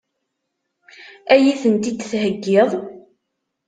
Ad iyi-tent-id-theggiḍ?